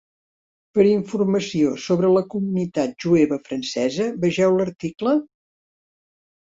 Per a informació sobre la comunitat jueva francesa vegeu l'article: